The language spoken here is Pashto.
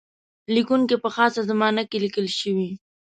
لیکونکی په خاصه زمانه کې لیکل شوی.